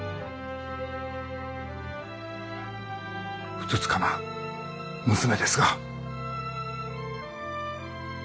ふつつかな娘ですが。